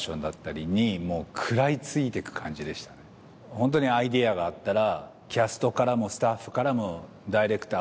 ホントにアイデアがあったら。